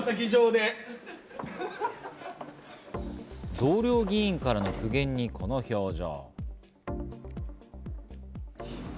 同僚議員からの苦言にこの表情。